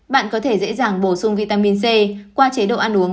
bạn có thể dễ dàng bổ sung vitamin c qua chế độ ăn uống